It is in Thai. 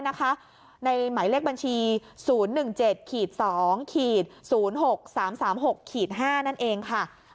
หมายเลขบัญชี๐๑๗๒๐๖๓๓๖๕นั่นเองค่ะ